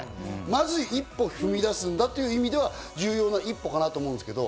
まず一歩踏み出すんだという意味では重要な一歩かなと思うんですけど。